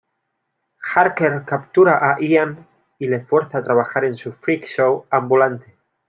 Harker captura a Ian y le fuerza a trabajar en su freak show ambulante.